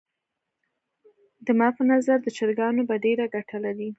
د څارويو روزنه او ساتنه زموږ د خلکو په ژوند کې څومره ارزښت لري ؟